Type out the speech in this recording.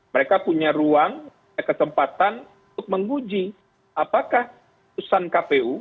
mereka punya ruang kesempatan untuk menguji apakah putusan kpu